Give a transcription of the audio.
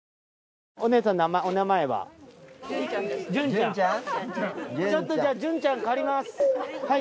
ちょっとじゃあじゅんちゃん借ります。